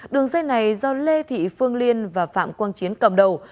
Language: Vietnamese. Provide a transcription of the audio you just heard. đường dây này do lê thị phương liên và phạm quang chiến cầm đầu